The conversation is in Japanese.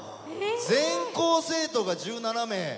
全校生徒が１７名。